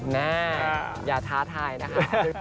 แม่อย่าท้าทายนะคะ